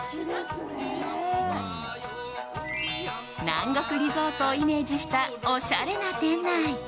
南国リゾートをイメージしたおしゃれな店内。